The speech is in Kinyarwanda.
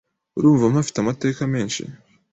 urumva mpafite amateka menshi